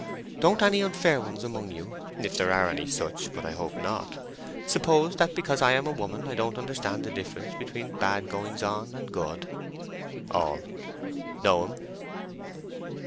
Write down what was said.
Don't any unfair ones among you (if there are any such, but I hope not) suppose that because I'm a woman I don't understand the difference between bad goings on and good." (All.) "No'm!"